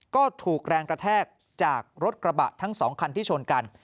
ก็ถูกแรงกระแทกจากรถกระบะทั้งสองคันที่ชนกัน